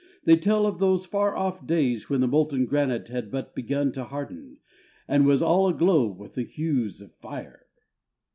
They tell of those far off days when the molten granite had but begun to harden, and was all aglow with the hues of fire.